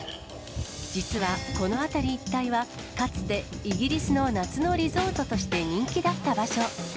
実は、この辺り一帯は、かつてイギリスの夏のリゾートとして人気だった場所。